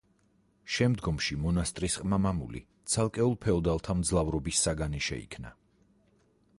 შემდგომში მონასტრის ყმა-მამული ცალკეულ ფეოდალთა მძლავრობის საგანი შეიქნა.